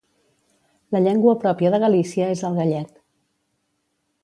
La llengua pròpia de Galicia és el gallec.